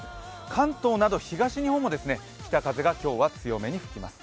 関東など東日本も北風が今日は強めに吹きます。